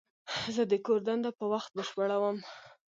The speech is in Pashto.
زه د کور دنده په وخت بشپړوم.